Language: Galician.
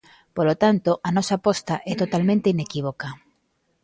Polo tanto, a nosa aposta é totalmente inequívoca.